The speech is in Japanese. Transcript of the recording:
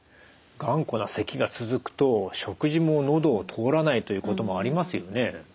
頑固なせきが続くと食事も喉を通らないということもありますよね？